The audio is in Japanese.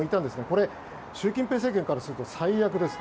これ、習近平政権からすると最悪です。